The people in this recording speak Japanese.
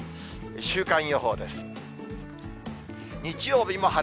週間予報です。